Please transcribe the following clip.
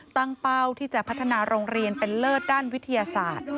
เป้าที่จะพัฒนาโรงเรียนเป็นเลิศด้านวิทยาศาสตร์